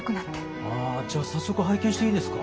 ああじゃあ早速拝見していいですか？